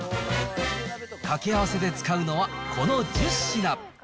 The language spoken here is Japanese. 掛け合わせで使うのはこの１０品。